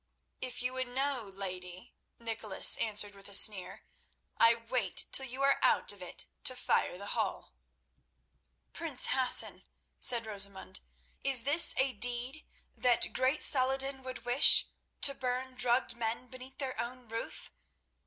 "If you would know, lady," Nicholas answered with a sneer, "I wait till you are out of it to fire the hall." "Prince Hassan," said Rosamund, "is this a deed that great Saladin would wish, to burn drugged men beneath their own roof?